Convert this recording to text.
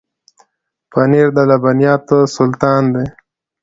پنېر د لبنیاتو سلطان دی.